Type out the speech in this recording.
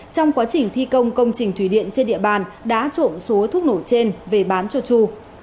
trong quá trình thi công công trình thủy điện trên địa bàn đã trộm số thuốc nổ trên về bán cho chu